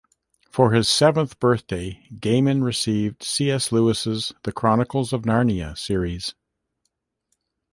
For his seventh birthday, Gaiman received C. S. Lewis's "The Chronicles of Narnia" series.